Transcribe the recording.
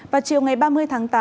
và chiều ngày ba mươi tháng tám